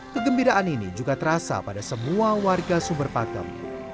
kegembiraan ini juga terasa pada semua warga sumber pakem